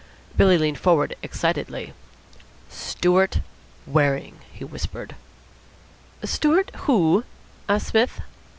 Billy leaned forward excitedly. "Stewart Waring," he whispered. "Stewart who?" asked Psmith.